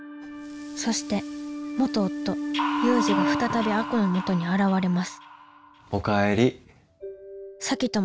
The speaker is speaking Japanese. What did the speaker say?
そして元夫・祐二が再び亜子のもとに現れますおかえり。